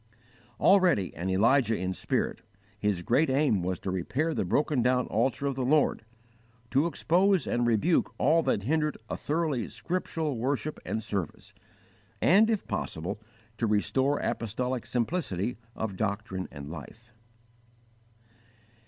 _ Already an Elijah in spirit, his great aim was to repair the broken down altar of the Lord, to expose and rebuke all that hindered a thoroughly scriptural worship and service, and, if possible, to restore apostolic simplicity of doctrine and life.